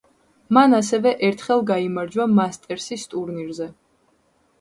მან ასევე ერთხელ გაიმარჯვა მასტერსის ტურნირზე.